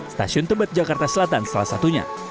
stasiun tebet jakarta selatan salah satunya